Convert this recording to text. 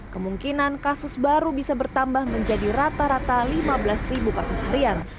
kemungkinan kasus baru bisa bertambah menjadi rata rata lima belas kasus harian